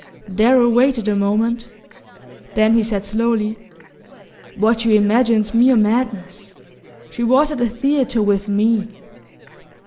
Darrow waited a moment; then he said slowly: "What you imagine's mere madness. She was at the theatre with me."